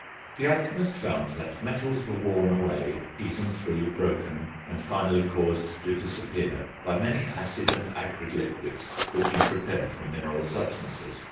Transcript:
The alchemist found that metals were worn away, eaten through, broken, and finally caused to disappear, by many acid and acrid liquids which he prepared from mineral substances.